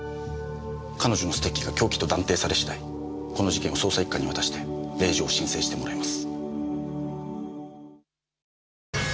彼女のステッキが凶器と断定され次第この事件を捜査一課に渡して令状を申請してもらいます。